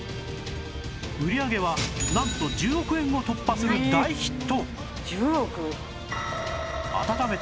売り上げはなんと１０億円を突破する大ヒット！